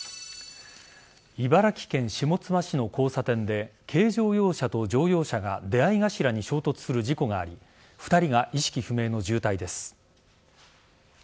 茨城県下妻市の交差点で軽乗用車と乗用車が出合い頭に衝突する事故があり２人が意識不明の重体です。